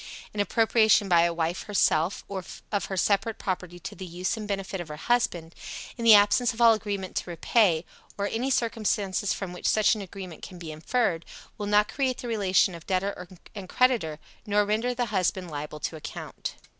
An appropriation by a wife, herself, of her separate property to the use and benefit of her husband, in the absence of all agreement to repay, or any circumstances from which such an agreement can be inferred, will not create the relation of debtor and creditor, nor render the husband liable to account.